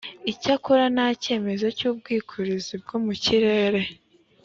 icyakora nta cyemezo cy ubwikorezi bwo mu kirere